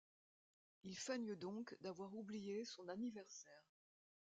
Ils feignent donc d’avoir oublié son anniversaire.